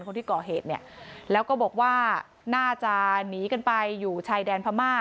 คนที่ก่อเหตุเนี่ยแล้วก็บอกว่าน่าจะหนีกันไปอยู่ชายแดนพม่า